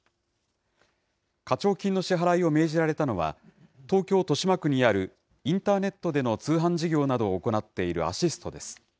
課徴金の支払いを命じられたのは、東京・豊島区にあるインターネットでの通販事業などを行っているアシストです。